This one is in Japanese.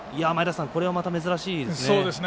これはまた珍しいですね。